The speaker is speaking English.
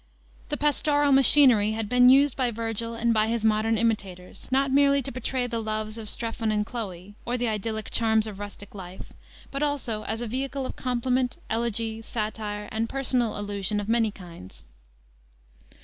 The pastoral machinery had been used by Vergil and by his modern imitators, not merely to portray the loves of Strephon and Chloe, or the idyllic charms of rustic life; but also as a vehicle of compliment, elegy, satire, and personal allusion of many kinds.